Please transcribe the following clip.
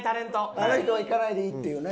あの人は行かないでいいっていうね。